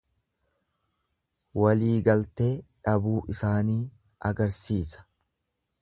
Waliigaltee dhabuu isaanii agarsiisa.